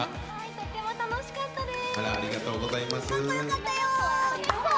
とても楽しかったです。